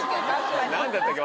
何だったっけ？